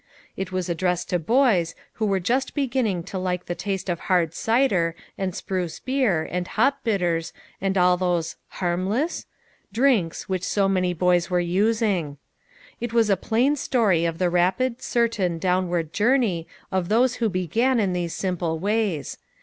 It was addressed to boys, who were just beginning to like the taste of hai d cider, and spruce beer, and hop bitters, and all those harmless (?) drinks which so many boys were using. It was a plain story of the rapid, certain, downward journey of those who began in these simple ways.